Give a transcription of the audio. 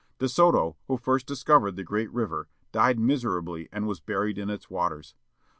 De Soto, who first discovered the great river, died miserably and was buried in its waters.